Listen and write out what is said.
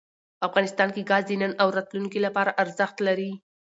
افغانستان کې ګاز د نن او راتلونکي لپاره ارزښت لري.